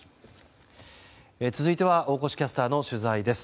続いては大越キャスターの取材です。